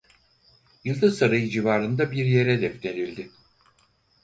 Yıldız Sarayı civarında bir yere defnedildi.